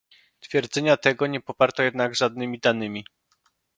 Twierdzenia tego nie poparto jednak żadnymi danymi